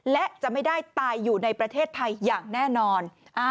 และจะไม่ได้ตายอยู่ในประเทศไทยอย่างแน่นอน